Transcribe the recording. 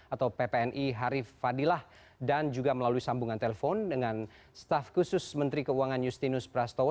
atau ppni harif fadilah dan juga melalui sambungan telepon dengan staf khusus menteri keuangan justinus prastowo